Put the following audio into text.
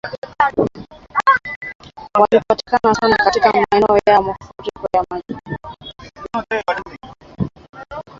unapatikana sana katika maeneo yenye mafuriko ya maji